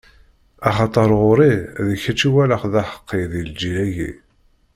Axaṭer, ɣur-i, d kečč i walaɣ d aḥeqqi di lǧil-agi.